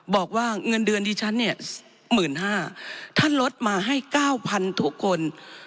บอกว่าเงินเดือนดิฉันเนี่ยหมื่นห้าท่านลดมาให้เก้าพันทุกคน